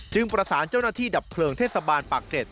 ประสานเจ้าหน้าที่ดับเพลิงเทศบาลปากเกร็ด